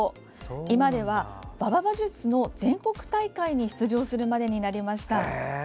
今では、馬場馬術の全国大会に出場するまでになりました。